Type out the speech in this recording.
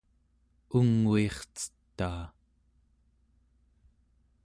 unguircetaa